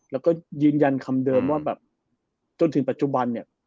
แล้วก็ยืนยันคำเดิมว่าแบบจนถึงปัจจุบันเนี่ย